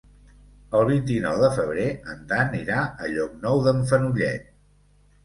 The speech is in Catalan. El vint-i-nou de febrer en Dan irà a Llocnou d'en Fenollet.